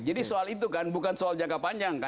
jadi soal itu kan bukan soal jangka panjang